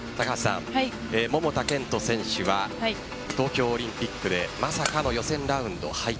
桃田賢斗選手は東京オリンピックでまさかの予選ラウンド敗退。